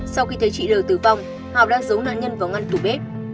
sau khi thấy chị l tử vong hào đang giấu nạn nhân vào ngăn tủ bếp